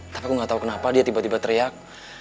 tapi aku gak tahu kenapa dia tiba tiba teriak